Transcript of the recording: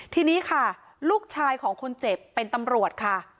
ทีนี้ค่ะลูกชายของคนเจ็บเป็นตำรวจค่ะ